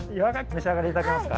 召し上がりいただけますか？